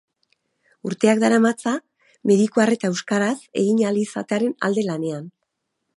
Urteak daramatza mediku arreta euskaraz egin ahal izatearen alde lanean.